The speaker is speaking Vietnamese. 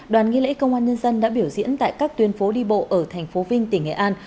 đoàn nghi lễ công an nhân dân đã biểu diễn tại các tuyến phố đi bộ ở thành phố vinh tỉnh nghệ an